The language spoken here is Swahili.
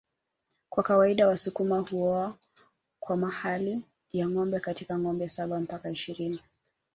Kwa kawaida wasukuma huoa kwa mahali ya ngombe kati ya ngombe saba mpaka ishirini